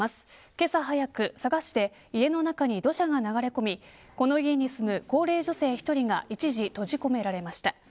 けさ早く、佐賀市で家の中に土砂が流れ込みこの家に住む高齢女性１人が一時閉じ込められました。